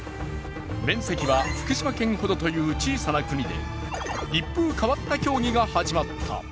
面積は福島県ほどという小さな国で一風変わった競技が始まった。